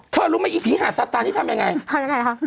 เธอรู้ไหมยิคพี่หาดซัตตานที่ทำยังไงทำยังไงครับ